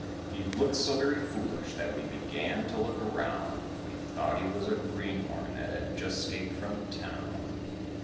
He looked so very foolish that we began to look around, We thought he was a greenhorn that had just 'scaped from town.